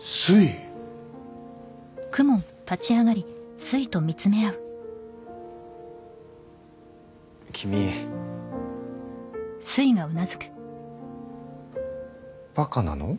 すい君バカなの？